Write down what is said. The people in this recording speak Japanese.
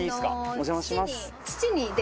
お邪魔します。